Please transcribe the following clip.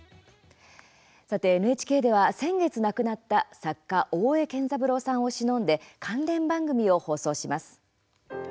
さて、ＮＨＫでは先月亡くなった作家大江健三郎さんをしのんで関連番組を放送します。